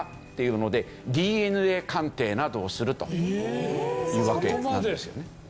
っていうのでＤＮＡ鑑定などをするというわけなんですよね。